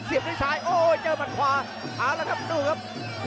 กระโดยสิ้งเล็กนี่ออกกันขาสันเหมือนกันครับ